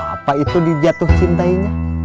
apa itu dijatuh cintainya